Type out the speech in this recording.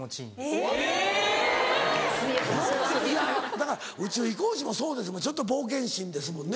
だから宇宙飛行士もそうですねちょっと冒険心ですもんね。